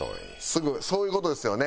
すぐそういう事ですよね。